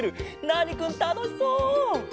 ナーニくんたのしそう！